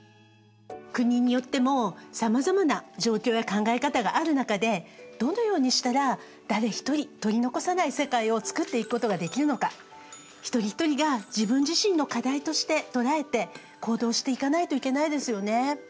国によってもさまざまな状況や考え方がある中でどのようにしたら誰一人取り残さない世界を創っていくことができるのか一人一人が自分自身の課題として捉えて行動していかないといけないですよね。